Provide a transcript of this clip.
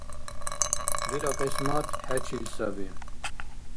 ДИЛА КЬИСМАТ ХӏЕЧИЛ САБИ